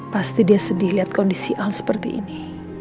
pasti dia sedih liat kondisi al seperti ini